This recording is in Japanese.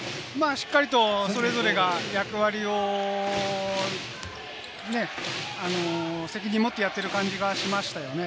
しっかりとそれぞれが役割を責任持ってやってる感じがしましたよね。